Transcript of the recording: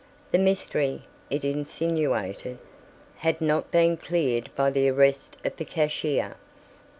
The mystery, it insinuated, had not been cleared by the arrest of the cashier.